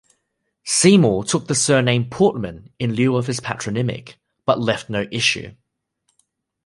Seymour took the surname Portman in lieu of his patronymic, but left no issue.